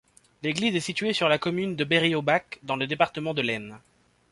L'église est située sur la commune de Berry-au-Bac, dans le département de l'Aisne.